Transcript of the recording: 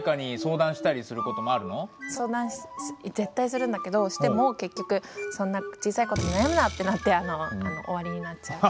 相談絶対するんだけどしても結局「そんな小さい事で悩むな！」ってなって終わりになっちゃう。